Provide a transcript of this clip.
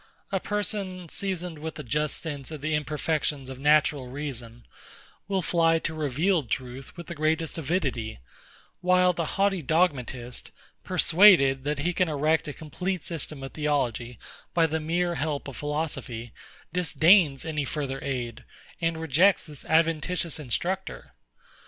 A person, seasoned with a just sense of the imperfections of natural reason, will fly to revealed truth with the greatest avidity: While the haughty Dogmatist, persuaded that he can erect a complete system of Theology by the mere help of philosophy, disdains any further aid, and rejects this adventitious instructor.